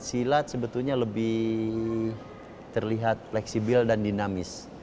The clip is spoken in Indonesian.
silat sebetulnya lebih terlihat fleksibel dan dinamis